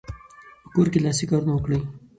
په کور کې لاسي کارونه وکړئ.